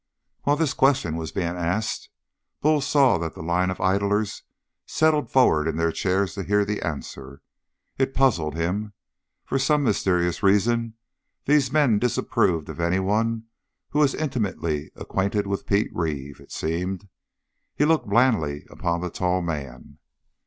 While this question was being asked, Bull saw that the line of idlers settled forward in their chairs to hear the answer. It puzzled him. For some mysterious reason these men disapproved of any one who was intimately acquainted with Pete Reeve, it seemed. He looked blandly upon the tall man.